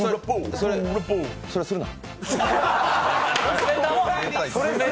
それ、それするな。